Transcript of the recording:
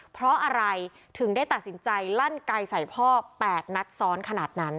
เพราะอะไรถึงได้ตัดสินใจลั่นไกลใส่พ่อ๘นัดซ้อนขนาดนั้น